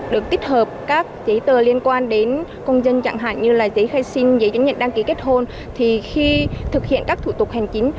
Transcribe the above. được tích hợp các giấy tờ liên quan đến công dân chẳng hạn như là giấy khai sinh giấy chứng nhận đăng ký kết hôn thì khi thực hiện các thủ tục hành chính